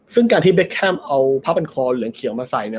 ซึ่งการที่เบคแคมเอาผ้าพันคอเหลืองเขียวมาใส่เนี่ย